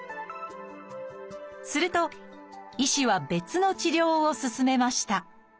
すると医師は別の治療を勧めました